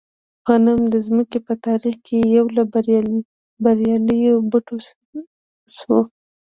غنم د ځمکې په تاریخ کې یو له بریالیو بوټو شو.